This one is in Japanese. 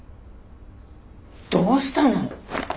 どうしたの？